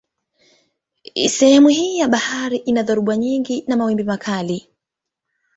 Sehemu hii ya bahari ina dhoruba nyingi na mawimbi makali.